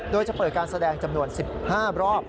โดยจะเปิดการแสดงจำนวน๑๕รอบ